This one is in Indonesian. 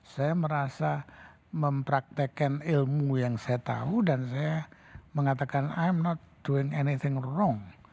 saya merasa mempraktekkan ilmu yang saya tahu dan saya mengatakan im not doing anithing wrong